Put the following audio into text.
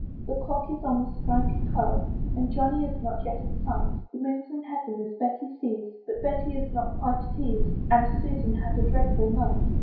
The clock is on the stroke of twelve, And Johnny is not yet in sight, The moon's in heaven, as Betty sees, But Betty is not quite at ease; And Susan has a dreadful night.